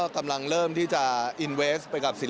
โดมเนี้ยบอกเลยว่าโอ้โห